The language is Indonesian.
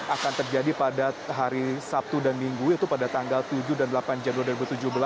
akan terjadi pada hari sabtu dan minggu yaitu pada tanggal tujuh dan delapan januari dua ribu tujuh belas